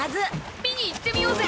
見に行ってみようぜ！